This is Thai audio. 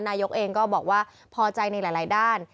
นายกเองก็บอกว่าพอใจในหลายด้าน